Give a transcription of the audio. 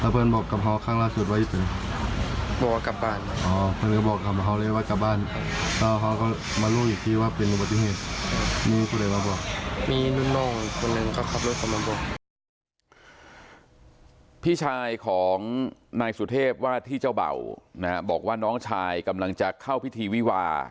พี่ชายของนายสุเทพว่าที่เจ้าเบ่าบอกว่าน้องชายกำลังจะเข้าพิธีวิวา